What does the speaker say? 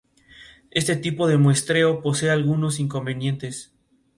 Al año siguiente, la banda estaría girando Europa, promocionando sus dos lanzamientos.